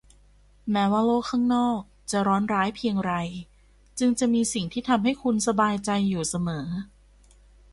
แม้ว่าโลกข้างนอกจะร้อนร้ายเพียงไรจึงจะมีสิ่งที่ทำให้คุณสบายใจอยู่เสมอ